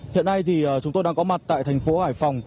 hiện nay thì chúng tôi đang có mặt tại thành phố hải phòng